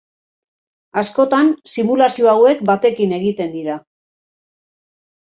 Askotan simulazio hauek batekin egiten dira.